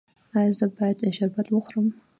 ایا زه باید شربت وخورم؟